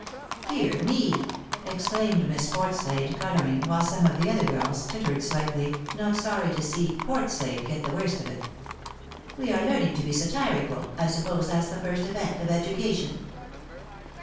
" Dear me !" exclaimed Miss Portslade, colouring, while some of the other girls tittered slightly, not sorry to see " Portslade " get the worst of it. " We are learning to be satirical — I suppose that's the first effect of education